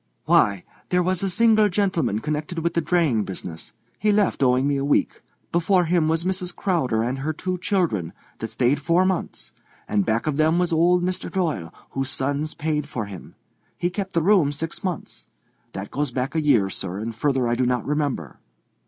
"Why, there was a single gentleman connected with the draying business. He left owing me a week. Before him was Missis Crowder and her two children, that stayed four months; and back of them was old Mr. Doyle, whose sons paid for him. He kept the room six months. That goes back a year, sir, and further I do not remember."